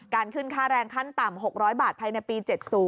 ขึ้นค่าแรงขั้นต่ำ๖๐๐บาทภายในปี๗๐